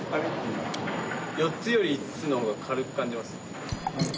４つより５つの方が軽く感じます。